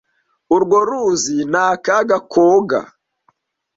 Urwo ruzi ni akaga koga.